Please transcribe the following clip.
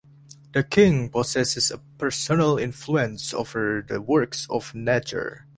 The king possesses a personal influence over the works of nature.